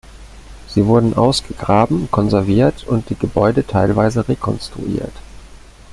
Sie wurden ausgegraben, konserviert und die Gebäude teilweise rekonstruiert.